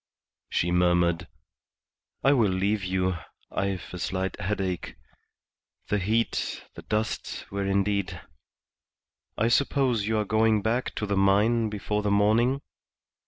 She murmured "I will leave you; I've a slight headache. The heat, the dust, were indeed I suppose you are going back to the mine before the morning?"